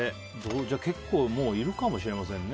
じゃあ結構もういるかもしれませんね